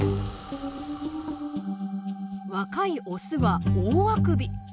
若いオスは大あくび。